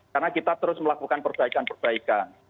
karena kita terus melakukan perbaikan perbaikan